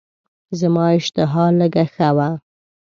زما اشتها لږه ښه وه.